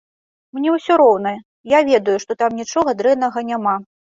Мне ўсё роўна, я ведаю, што там нічога дрэннага няма.